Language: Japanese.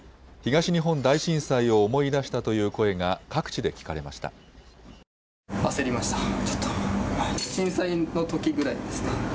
東日本大震災を思い出したという声が各地で聞かれました。